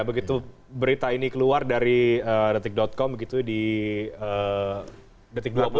begitu berita ini keluar dari detik com begitu di detik dua puluh